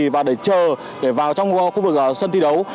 và để chờ vào trong khu vực sân thi đấu